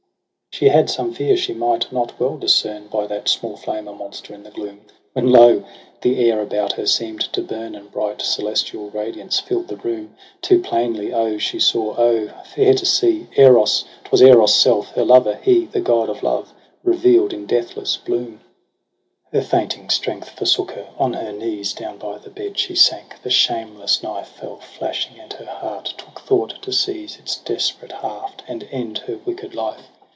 She had some fear she might not well discern By that small flame a monster in the gloom ; When lo ! the air about her seem'd to burn. And bright celestial radiance fill'd the room. Too plainly O she saw, O fair to see ! Eros, 'twas Eros' self, her lover, he. The God of love, reveal'd in deathless bloom. 1x8 EROS ^ PSYCHE i8 Her fainting strength forsook her j on her knees Down by the bed she sank j the shameless knife Fell flashing, and her heart took thought to seize Its desperate haft, and end her wicked life.